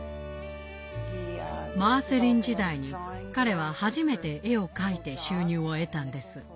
マーセリン時代に彼は初めて絵を描いて収入を得たんです。